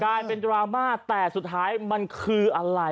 กลายเป็นดราม่าแต่สุดท้ายมันคืออะไร